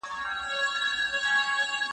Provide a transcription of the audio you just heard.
کمبخته ته چېرته او دا لویې خبرې چېرته